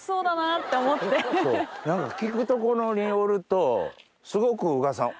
何か聞くところによるとすごく。